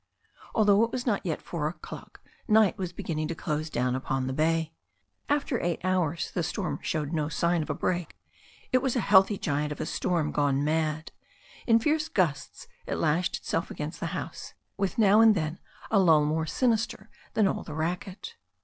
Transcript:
Although it was not yet four o'clock night was beginning to dose down upon the bay. After eight hours the storm 167 i68 THE STORY OF A NEW ZEALAND BIVER showed no sign of a break. It was a healthy giant of a storm gone mad. In fierce g^sts it lashed itself against the house, with now and then a lull more sinister than all the racket.